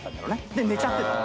で寝ちゃってたの。